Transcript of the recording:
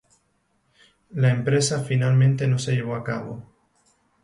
La empresa finalmente no se llevó a cabo.